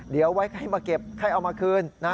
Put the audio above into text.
เดี๋ยวไว้ให้มาเก็บให้เอามาคืนนะ